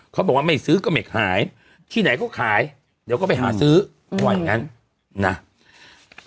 เขาบอกว่าไม่ซื้อก็ไม่ขายที่ไหนก็ขายเดี๋ยวก็ไปหาซื้อว่าอย่างงั้นนะ